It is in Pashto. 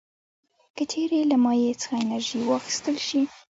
که چیرې له مایع څخه انرژي واخیستل شي.